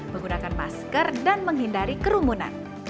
menggunakan masker dan menghindari kerumunan